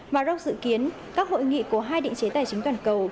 maroc dự kiến các hội nghị của hai định chế tài chính toàn cầu